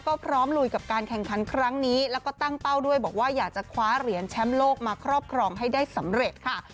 ก็พร้อมลุยกับการแข่งขันครั้งนี้แล้วก็ตั้งเป้าด้วยบอกว่าอยากจะคว้าเหรียญแชมป์โลกมาครอบครองให้ได้สำเร็จค่ะ